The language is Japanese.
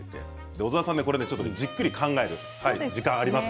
小沢さん、じっくり考える時間がありますよ。